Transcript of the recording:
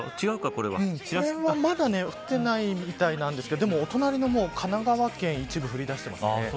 これは、まだ降ってないみたいなんですがお隣の神奈川県は一部、降り出してますね。